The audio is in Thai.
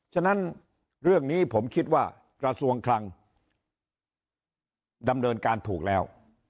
ฉะนั้นเรื่องนี้ผมคิดว่ากระทรวงคลังดำเนินการถูกแล้ว